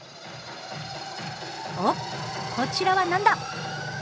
おっこちらは何だ！？